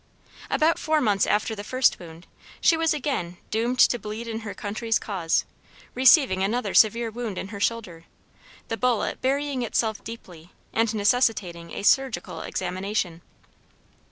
About four months after the first wound, she was again doomed to bleed in her country's cause, receiving another severe wound in her shoulder, the bullet burying itself deeply, and necessitating a surgical examination.